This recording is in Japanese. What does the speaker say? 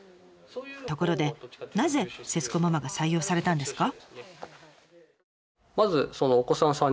ところでなぜ節子ママが採用されたんですか？